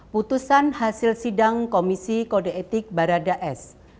putusan hasil sidang komisi kode etik barada s